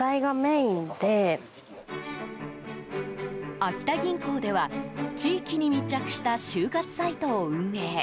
秋田銀行では、地域に密着した就活サイトを運営。